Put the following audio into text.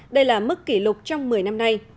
đây là mức kỷ lục trong một mươi năm nay